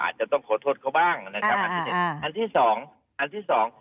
อาจจะต้องขอโทษเขาบ้างนะครับอันที่หนึ่งอันที่สองอันที่สอง